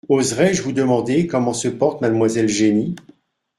Oserai-je vous demander comment se porte mademoiselle Jenny ?